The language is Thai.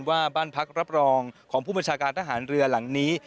ว่าบ้านพักรับรองของผู้บัญชาการทหารเรือหลังนี้